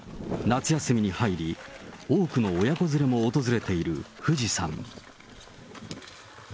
夏休みに入り、多くの親子連れも訪れている富士山。